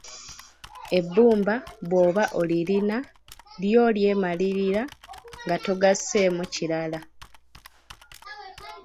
Ebbumba bwoba olirina lyo lyemalirira nga togasseemu kirala